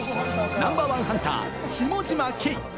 ナンバーワンハンター・下嶋兄。